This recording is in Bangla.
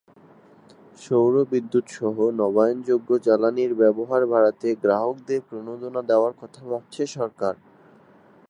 সৌর বিদ্যুৎসহ নবায়নযোগ্য জ্বালানির ব্যবহার বাড়াতে গ্রাহকদের প্রণোদনা দেওয়ার কথা ভাবছে সরকার।